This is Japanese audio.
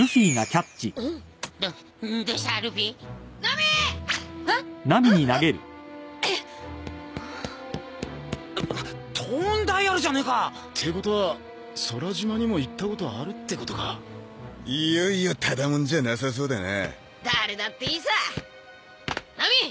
ハッあトーンダイアルじゃねえかってことは空島にも行ったことあるってことかいよいよただモンじゃなさそうだな誰だっていいさナミ！